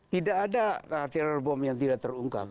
tidak ada teror bom yang tidak terungkap